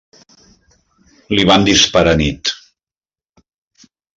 Li van disparar anit.